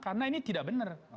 karena ini tidak benar